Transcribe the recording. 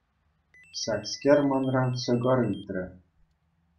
Ҫакскер манран ҫӑкӑр ыйтрӗ.